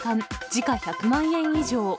時価１００万円以上。